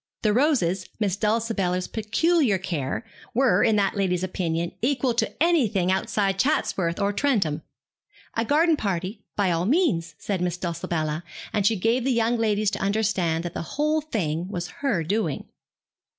The roses, Miss Dulcibella's peculiar care, were, in that lady's opinion, equal to anything outside Chatsworth or Trentham. A garden party, by all means, said Miss Dulcibella, and she gave the young ladies to understand that the whole thing was her doing.